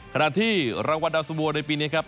ขนาดที่รางวัดดามสมวงในปีนี้ครับ